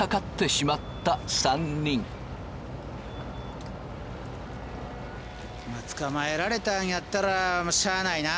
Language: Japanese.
まっ捕まえられたんやったらもうしゃあないな。